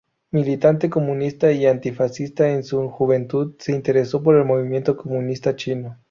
Militante comunista y anti-fascista en su juventud, se interesó por el movimiento comunista chino.